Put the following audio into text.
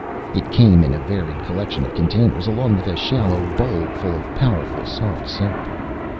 It came in a varied collection of containers along with a shallow bowl full of powerful soft soap.